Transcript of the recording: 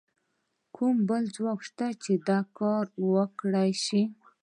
کوم بل ځواک شته چې دا کار وکړای شي؟